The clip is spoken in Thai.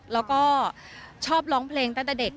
แล้วก็ชอบร้องเพลงตั้งแต่เด็ก